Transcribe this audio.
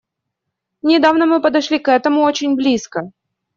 Недавно мы подошли к этому очень близко.